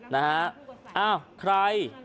นะฮะอ้าวใคร